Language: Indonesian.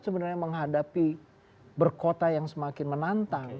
sebenarnya menghadapi berkota yang semakin menantang